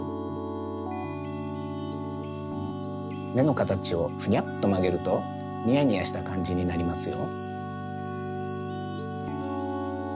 めのかたちをふにゃっとまげるとにやにやしたかんじになりますよ。